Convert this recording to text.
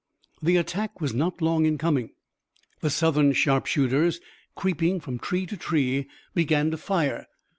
The attack was not long in coming. The Southern sharpshooters, creeping from tree to tree, began to fire.